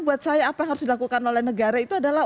buat saya apa yang harus dilakukan oleh negara itu adalah